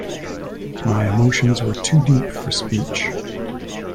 My emotions were too deep for speech.